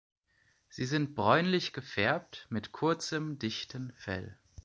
Sie sind bräunlich gefärbt, mit kurzem, dichtem Fell.